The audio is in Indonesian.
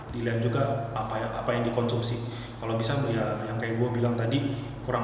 dilihat juga apanya dikonsumsi kalau bisa mau ya kayak di inspirasi kurang